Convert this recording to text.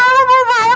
lu bubur banyak